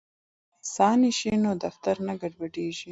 که ښځې ریسانې شي نو دفتر نه ګډوډیږي.